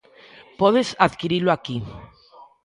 Podes adquirilo aquí.